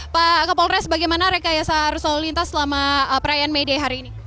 pak kapolres bagaimana rekayasa arus lalu lintas selama perayaan may day hari ini